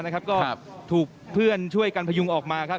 ที่ถูกพื่นช่วยกลั้นพยุงออกมา